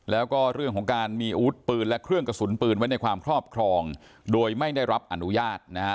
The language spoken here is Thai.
แล้วก็เรื่องของการมีอาวุธปืนและเครื่องกระสุนปืนไว้ในความครอบครองโดยไม่ได้รับอนุญาตนะฮะ